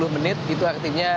sepuluh menit itu artinya